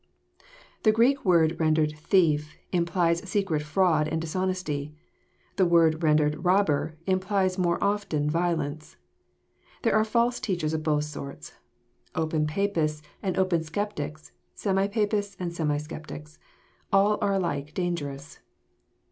The Greek word rendered "thief" implies secret A*and and dishonesty. The word rendered "robber" implies more open violence. There are false teachers of both sorts ; open Papists and open Sceptics, semi Papists and semi Sceptics. All are alike dangerous.